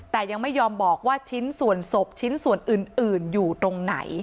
แต่ยังไม่ยอมบอกว่าชิ้นส่วนศพชิ้นส่วนอื่นอยู่ตรงไหน